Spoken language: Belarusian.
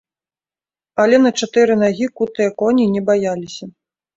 Але на чатыры нагі кутыя коні не баяліся.